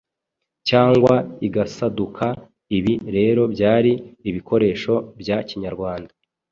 cyangwa igasaduka Ibi rero byari ibikoresho bya Kinyarwanda